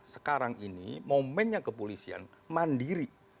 sekarang ini momennya kepolisian mandiri